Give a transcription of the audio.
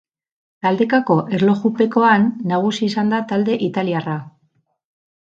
Taldekako erlojupekoan nagusi izan da talde italiarra.